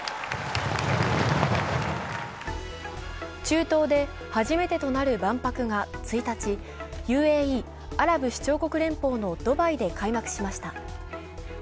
中東で初めてとなる万博が１日、ＵＡＥ＝アラブ首長国連邦のドバイで開幕しました。